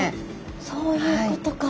そういうことか。